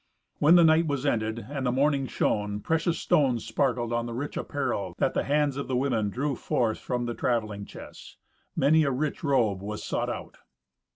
When the night was ended, and the morning shone, precious stones sparkled on the rich apparel that the hands of the women drew forth from the travelling chests. Many a rich robe was sought out.